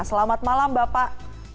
selamat malam bapak